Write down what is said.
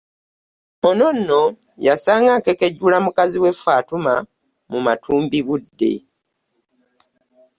Ono nno yansanga nkekejjula mukazi we Fatumah mu matumbibudde.